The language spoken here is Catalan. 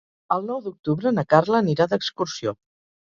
El nou d'octubre na Carla anirà d'excursió.